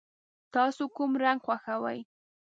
تاسو کوم رنګ خوښوئ؟